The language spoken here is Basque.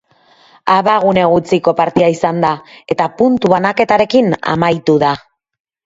Abagune gutxiko partida izan da, eta puntu banaketarekin amaitu da.